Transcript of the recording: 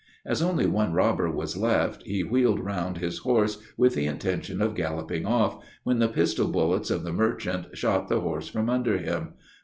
As only one robber was left, he wheeled round his horse with the intention of galloping off, when the pistol bullets of the merchant shot the horse from under him.